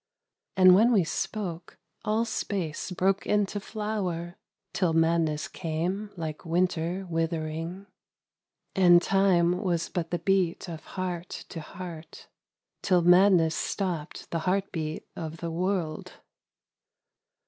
And when we spoke, all space broke into flower, Till madness came like winter withering. 41 A Lamentation. And Time was but the beat of heart to heart, Till madness stopp'd the heart beat of the world.